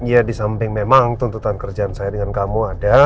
ya disamping memang tuntutan kerjaan saya dengan kamu ada